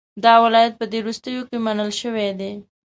دا ولایت په دې وروستیو کې منل شوی دی.